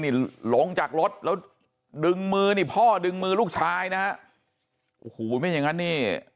นี่ลงจากรถแล้วดึงมือนี่พ่อดึงมือลูกชายนะฮะโอ้โหไม่อย่างงั้นนี่